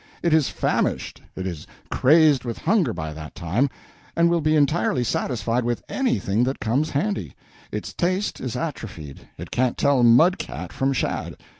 It is famished, it is crazed with hunger by that time, and will be entirely satisfied with anything that comes handy; its taste is atrophied, it can't tell mud cat from shad.